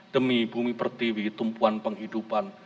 demi bumi pertiwi tumpuan penghidupan